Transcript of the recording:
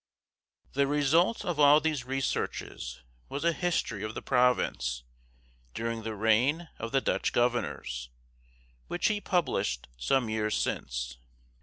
The result of all these researches was a history of the province, during the reign of the Dutch governors, which he published some years since.